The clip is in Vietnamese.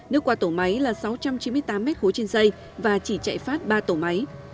nước qua tổ máy là sáu trăm chín mươi tám m ba trên dây và chỉ chạy phát ba tổ máy